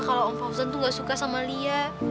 kalau om fauzan tuh gak suka sama liat